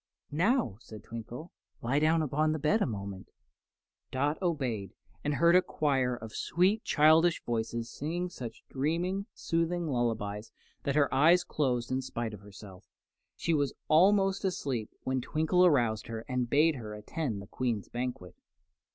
"Now," said Twinkle, "lie down upon the bed a moment." Dot obeyed, and heard a chorus of sweet, childish voices singing such dreamy, soothing lullabies that her eyes closed in spite of herself, and she was almost asleep when Twinkle aroused her and bade her attend the Queen's banquet.